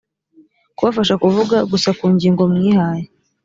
kubafasha kuvuga gusa ku ngingo mwihaye